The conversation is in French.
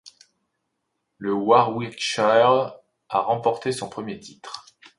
Le Warwickshire a remporté son premier titre.